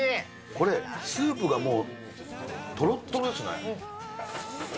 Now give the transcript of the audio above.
これ、スープがもう、とろっとろですね。